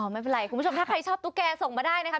ไม่เป็นไรคุณผู้ชมถ้าใครชอบตุ๊กแกส่งมาได้นะครับ